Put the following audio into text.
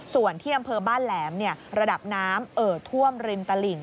ส่วนที่อำเภอบ้านแหลมระดับน้ำเอ่อท่วมริมตลิ่ง